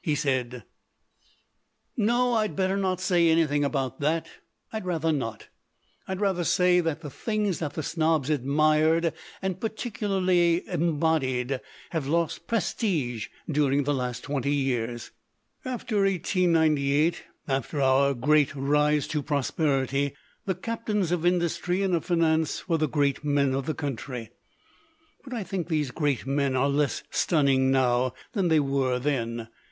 He said: "No, I'd better not say anything about that. I'd rather not. I'd rather say that the things that the snobs admired and particularly embodied have lost prestige during the last twenty years. "After 1898, after our great rise to prosperity, the captains of industry and of finance were the 125 LITERATURE IN THE MAKING great men of the country. But I think these great men are less stunning now than they were then.